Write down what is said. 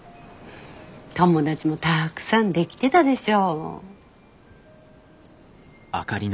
友達もたくさんできてたでしょ。